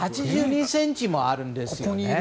１８２ｃｍもあるんですね。